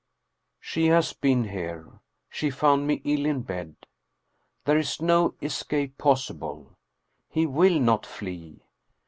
She has been here. She found me ill in bed. There is no escape possible. He will not flee.